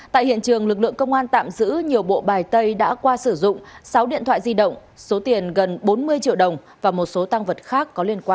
tại hiện trường lực lượng công an tạm giữ nhiều bộ bài tay đã qua sử dụng sáu điện thoại di động số tiền gần bốn mươi triệu đồng và một số tăng vật